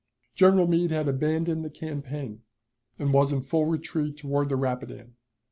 General Meade had abandoned the campaign, and was in full retreat toward the Rapidan.